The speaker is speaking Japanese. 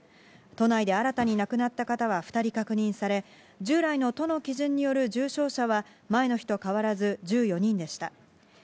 都内で新たに亡くなった方は２人確認され、従来の都の基準による重症者は、前の日と変わらず、１４人でした。